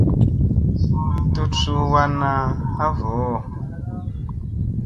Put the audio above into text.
Tut suu wann ha vooʼo.